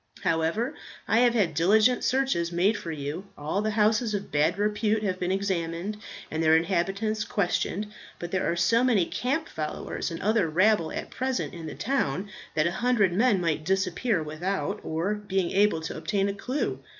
However, I have had diligent search made for you. All the houses of bad repute have been examined, and their inhabitants questioned. But there are so many camp followers and other rabble at present in the town that a hundred men might disappear without our being able to obtain a clue.